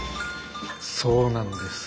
そうなんです。